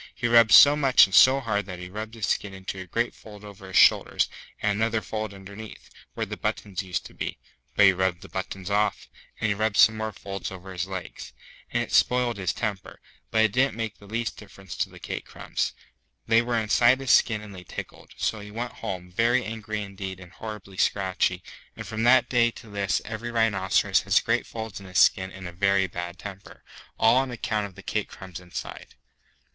He rubbed so much and so hard that he rubbed his skin into a great fold over his shoulders, and another fold underneath, where the buttons used to be (but he rubbed the buttons off), and he rubbed some more folds over his legs. And it spoiled his temper, but it didn't make the least difference to the cake crumbs. They were inside his skin and they tickled. So he went home, very angry indeed and horribly scratchy; and from that day to this every rhinoceros has great folds in his skin and a very bad temper, all on account of the cake crumbs inside.